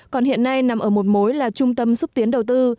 còn hiện nay nằm ở một mối là trung tâm xúc tiến đầu tư